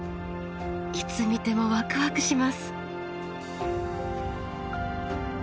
いつ見てもワクワクします。